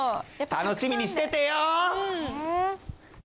楽しみにしててよ。